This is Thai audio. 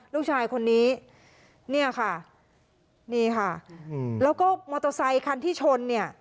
ลูกชายคนนี้เนี่ยค่ะนี่ค่ะแล้วก็มอเตอร์ไซคันที่ชนเนี่ย